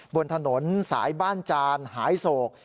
บนถนนสายบ้านจานหายโศก